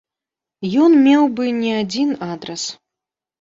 Ён меў бы не адзін адрас.